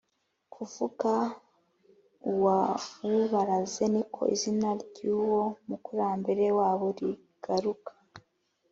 kuvuga uwawubaraze niko izina ryuwo mukurambere wabo rigaruka